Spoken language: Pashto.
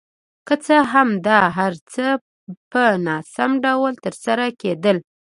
که څه هم دا هر څه په ناسم ډول ترسره کېدل.